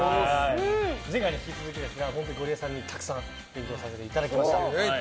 前回に引き続きゴリエさんにたくさん勉強させていただきました。